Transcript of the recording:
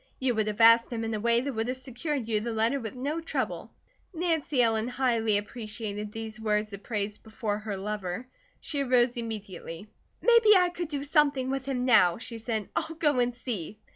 You would have asked him in a way that would have secured you the letter with no trouble." Nancy Ellen highly appreciated these words of praise before her lover. She arose immediately. "Maybe I could do something with him now," she said. "I'll go and see."